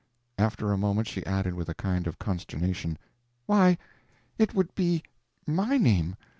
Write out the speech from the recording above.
After a moment, she added with a kind of consternation, "Why, it would be my name!